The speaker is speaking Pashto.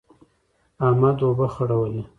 احمد اوبه خړولې.